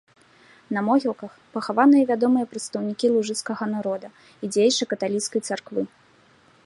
На могілках пахаваныя вядомыя прадстаўнікі лужыцкага народа і дзеячы каталіцкай царквы.